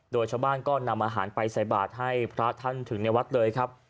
โดยชาวบ้านก็นำอาหารไปใส่บาทให้พระท่านถึงในวัดเลยครับ